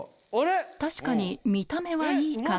確かに見た目はいい感じ